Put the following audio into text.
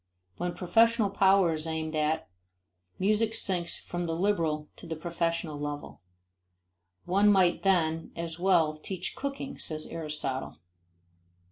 When professional power is aimed at, music sinks from the liberal to the professional level. One might then as well teach cooking, says Aristotle.